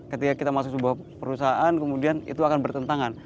ketika kita masuk sebuah perusahaan kemudian itu akan bertentangan